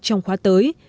trong khóa tới